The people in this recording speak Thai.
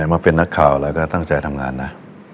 มาเป็นนักข่าวแล้วก็ตั้งใจทำงานนะ